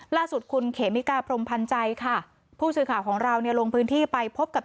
ล่าสุดคุณเขมิกาพรมพันธ์ใจค่ะผู้สื่อข่าวของเราเนี่ยลงพื้นที่ไปพบกับ